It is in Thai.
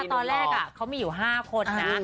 ตอนแรกเขามีอยู่๕คนนะ